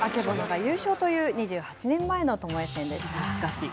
曙が優勝という２８年前のともえ戦でした。